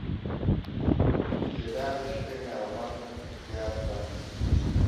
کېله د شکرې ناروغانو ته په احتیاط وړاندیز کېږي.